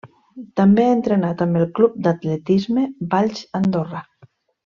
També ha entrenat amb el Club d'Atletisme Valls Andorra.